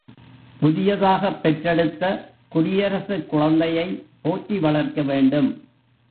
புதியதாகப் பெற்றெடுத்தக் குடியரசுக் குழந்தையைப் போற்றி வளர்க்க வேண்டும்.